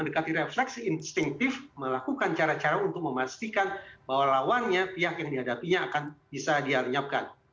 mendekati refleksi instinktif melakukan cara cara untuk memastikan bahwa lawannya pihak yang dihadapinya akan bisa dianyapkan